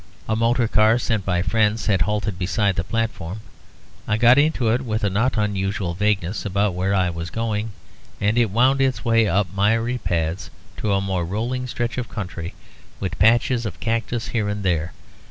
A motor car sent by friends had halted beside the platform; I got into it with a not unusual vagueness about where I was going; and it wound its way up miry paths to a more rolling stretch of country with patches of cactus here and there.